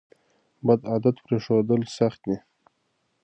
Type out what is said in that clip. بد عادت پریښودل سخت دي.